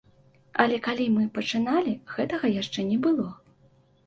Але калі мы пачыналі, гэтага яшчэ не было.